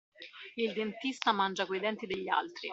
Il dentista mangia coi denti degli altri.